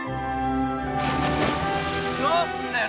どうすんだよ